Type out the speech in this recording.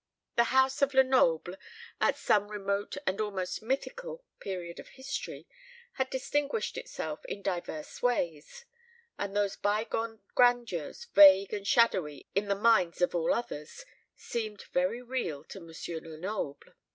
The house of Lenoble, at some remote and almost mythical period of history, had distinguished itself in divers ways; and those bygone grandeurs, vague and shadowy in the minds of all others, seemed very real to Monsieur Lenoble.